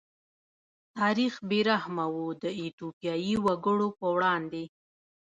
تاریخ بې رحمه و د ایتوپیايي وګړو په وړاندې.